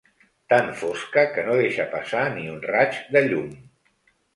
Tan fosca que no deixa passar ni un raig de llum.